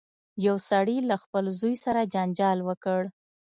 یو سړي له خپل زوی سره جنجال وکړ.